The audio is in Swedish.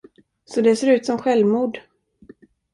Så det ser ut som självmord.